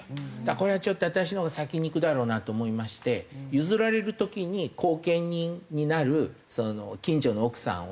これはちょっと私のほうが先に逝くだろうなと思いまして譲られる時に後継人になる近所の奥さんを頼んで。